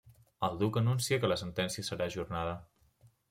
El duc anuncia que la sentència serà ajornada.